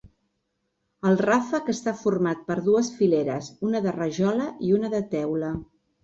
El ràfec està format per dues fileres, una de rajola i una de teula.